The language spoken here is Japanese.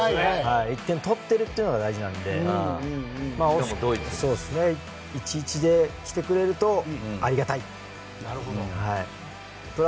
１点取っているのが大事なので１−１で来てくれるとありがたいなと。